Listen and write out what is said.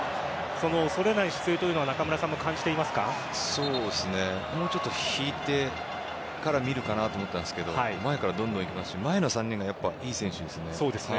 その恐れない姿勢というのはそうですねもうちょっと引いてから見るかなと思ったんですが前からどんどん行きますし前の３人がいい選手ですね。